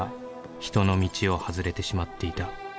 「人の道を外れてしまっていた」